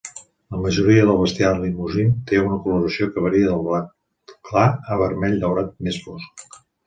La majoria del bestiar Limousin té una coloració que varia de blat clar a vermell daurat més fosc.